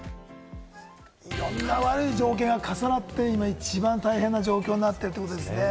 いろんな悪い条件が重なって、今一番大変な状況になってということですね。